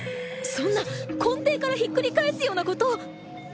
そんな根底からひっくり返すような事